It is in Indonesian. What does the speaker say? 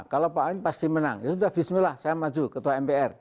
kalau pak amin pasti menang ya sudah bismillah saya maju ketua mpr